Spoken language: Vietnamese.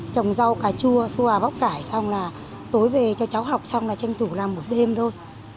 bốc cà chua xua bốc cải xong là tối về cho cháu học xong là tranh tủ làm một đêm thôi